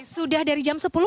sudah dari jam sepuluh